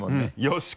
よし！